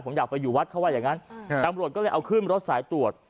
ผมอยากไปอยู่วัดเขาว่าอย่างนั้นตำรวจก็เลยเอาขึ้นรถสายตรวจ